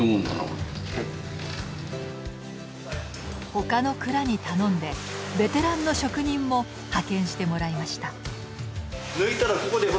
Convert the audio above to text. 他の蔵に頼んでベテランの職人も派遣してもらいました。